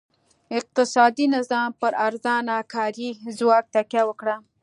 اقتصادي نظام پر ارزانه کاري ځواک تکیه وکړه.